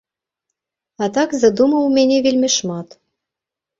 А так задумаў у мяне вельмі шмат.